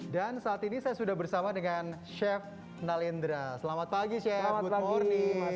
dan saat ini saya sudah bersama dengan chef nalindra selamat pagi chef good morning